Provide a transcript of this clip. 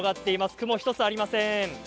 雲１つありません。